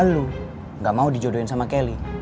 lu gak mau dijodohin sama kelly